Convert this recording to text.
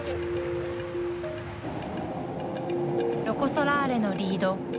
ロコ・ソラーレのリード